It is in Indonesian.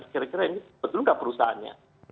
kira kira ini betul nggak perusahaannya